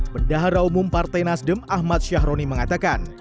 pendahara umum partai nasdem ahmad syahroni mengatakan